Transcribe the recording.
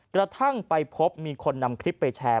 กระทั่งไปพบมีคนนำคลิปไปแชร์